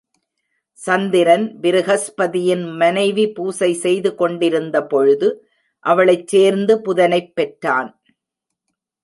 சந்திரன் பிருகஸ்பதியின் மனைவி பூசை செய்து கொண்டிருந்த பொழுது அவளைச் சேர்ந்து புதனைப் பெற்றான்.